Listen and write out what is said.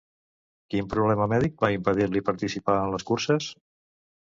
Quin problema mèdic va impedir-li participar en les curses?